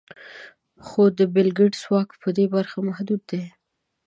خو د بېل ګېټس واک په دې برخه کې محدود دی.